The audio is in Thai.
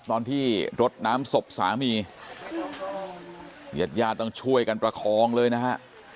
ตอนที่รดน้ำศพสามีญาติญาติต้องช่วยกันประคองเลยนะฮะ